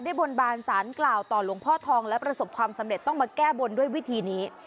บนบานสารกล่าวต่อหลวงพ่อทองและประสบความสำเร็จต้องมาแก้บนด้วยวิธีนี้